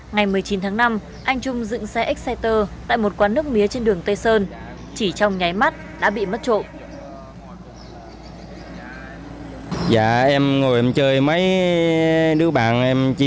ngày một mươi chín tháng năm anh trung dựng xe exciter tại một quán nước mía trên đường tây sơn chỉ trong nháy mắt đã bị mất trộm